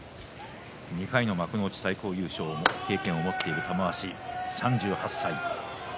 ２回の幕内最高優勝の経験を持つ玉鷲３８歳。